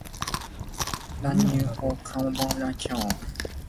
煙花好看無耐久